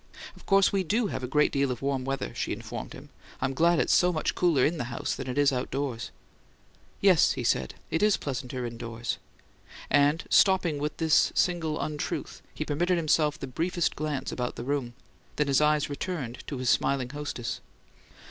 "Of course we DO have a great deal of warm weather," she informed him. "I'm glad it's so much cooler in the house than it is outdoors." "Yes," he said. "It is pleasanter indoors." And, stopping with this single untruth, he permitted himself the briefest glance about the room; then his eyes returned to his smiling hostess.